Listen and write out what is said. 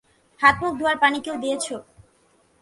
হাত-মুখ ধোবার পানি কেউ দিয়েছে?